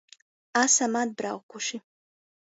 Asam atbraukuši.